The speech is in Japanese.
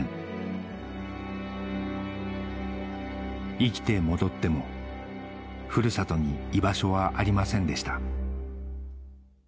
生きて戻っても古里に居場所はありませんでした